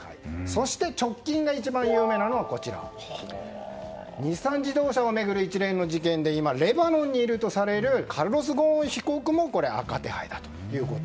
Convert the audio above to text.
そして直近で一番有名なのは日産自動車を巡る一連の事件で今、レバノンにいるとされるカルロス・ゴーン被告も赤手配だということ。